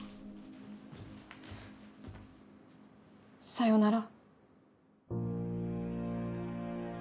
さようなら。